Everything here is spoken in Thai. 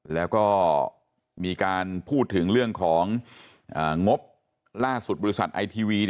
แล้วก็มีการพูดถึงเรื่องของงบล่าสุดบริษัทไอทีวี